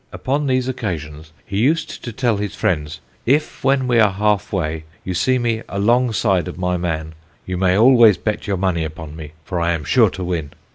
Upon these occasions he used to tell his friends, 'If, when we are half way, you see me alongside of my man, you may always bet your money upon me, for I am sure to win.'